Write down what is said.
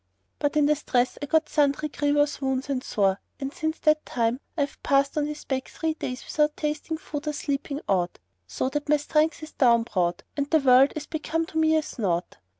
But in the stress and stowre I got sundry grievous wounds and sore; and, since that time, I have passed on his back three days without tasting food or sleeping aught, so that my strength is down brought and the world is become to me as naught.